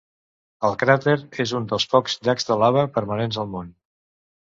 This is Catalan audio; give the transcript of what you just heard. El cràter és un dels pocs llacs de lava permanents al món.